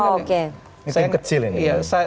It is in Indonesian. ini tim kecil ini